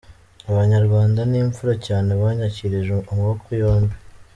Abanyarwanda ni imfura cyane, banyakirije amaboko yombi.